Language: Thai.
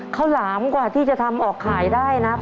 หลามกว่าที่จะทำออกขายได้นะ